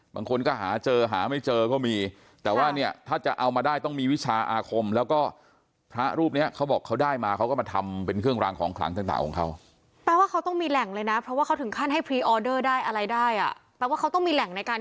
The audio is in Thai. บางคนก็หาเจอหาไม่เจอก็มีแต่ว่าเนี่ยถ้าจะเอามาได้ต้องมีวิชาอาคมแล้วก็พระรูปเนี่ยเขาบอกเขาได้มาเขาก็มาทำเป็นเครื่องรางของขลางต่างของเขา